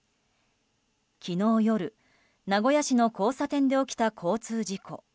昨日夜、名古屋市の交差点で起きた交通事故。